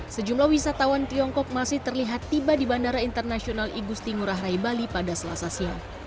sejumlah wisatawan tiongkok masih terlihat tiba di bandara internasional igusti ngurah rai bali pada selasa siang